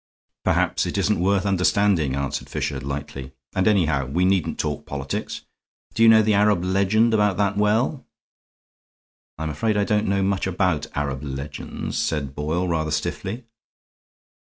"Perhaps it isn't worth understanding," answered Fisher, lightly, "and, anyhow, we needn't talk politics. Do you know the Arab legend about that well?" "I'm afraid I don't know much about Arab legends," said Boyle, rather stiffly.